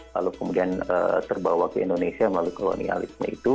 lalu kemudian terbawa ke indonesia melalui kolonialisme itu